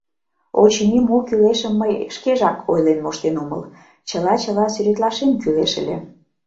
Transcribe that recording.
— Очыни, мо кӱлешым мый шкежак ойлен моштен омыл, чыла-чыла сӱретлашем кӱлеш ыле.